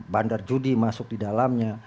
bandar judi masuk di dalamnya